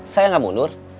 saya enggak mundur